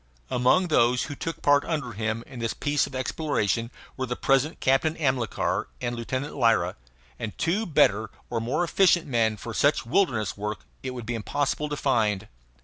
Among those who took part under him in this piece of exploration were the present Captain Amilcar and Lieutenant Lyra; and two better or more efficient men for such wilderness work it would be impossible to find.